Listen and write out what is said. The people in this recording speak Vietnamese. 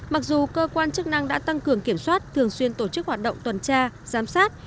mặc dù cơ quan chức năng đã tăng cường kiểm soát thường xuyên tổ chức hoạt động tuần tra giám sát